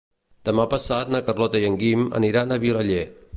Demà passat na Carlota i en Guim aniran a Vilaller.